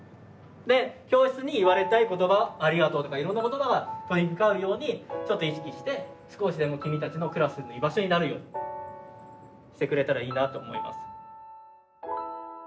で教室に言われたい言葉「ありがとう」とかいろんな言葉が飛び交うようにちょっと意識して少しでも君たちのクラスの居場所になるようにしてくれたらいいなあと思います。